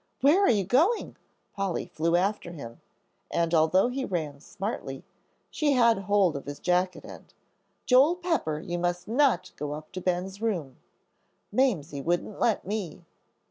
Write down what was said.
"Where are you going?" Polly flew after him, and although he ran smartly, she had hold of his jacket end. "Joel Pepper, you must not go up to Ben's room. Mamsie wouldn't let me."